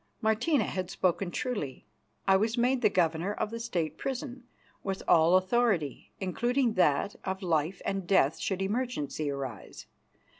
Martina had spoken truly. I was made the Governor of the State prison, with all authority, including that of life and death should emergency arise.